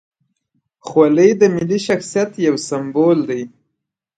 خولۍ د ملي شخصیت یو سمبول دی.